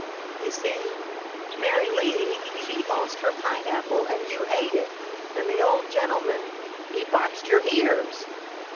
" You see, Mary Lee, she lost her pine apple and you ate it, and the old gentleman '" He boxed your ears